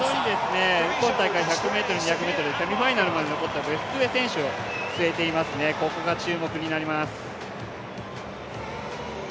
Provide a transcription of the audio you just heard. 今大会、１００ｍ、２００ｍセミファイナルに残ったベストゥエ選手がいます、ここが注目になります。